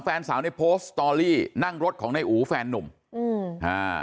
แฟนสาวในโพสต์สตอรี่นั่งรถของนายอูแฟนนุ่มอืมอ่า